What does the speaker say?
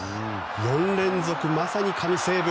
４連続まさに神セーブ！